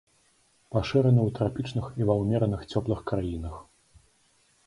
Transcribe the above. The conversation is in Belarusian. Пашыраны ў трапічных і ва ўмераных цёплых краінах.